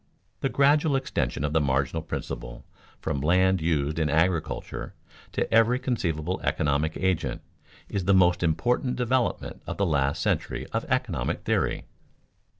The gradual extension of the marginal principle from land used in agriculture to every conceivable economic agent is the most important development of the last century of economic theory.